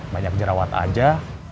banyak jerawat aja